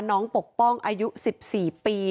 น้องปกป้องอายุ๑๔ปี